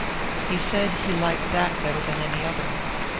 He said he liked that better than any other.